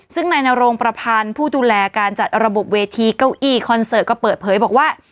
ซึ่งนายนโรงประพันธ์ผู้ดูแลการจัดระบบเวทีเก้าอี้คอนเสิร์ตก็เปิดเผยบอกว่า